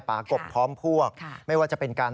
กบพร้อมพวกไม่ว่าจะเป็นการ